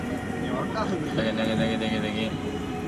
Louderback was shown on the phone.